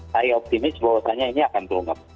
saya optimis bahwasannya ini akan terungkap